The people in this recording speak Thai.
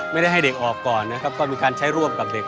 ให้เด็กออกก่อนนะครับก็มีการใช้ร่วมกับเด็ก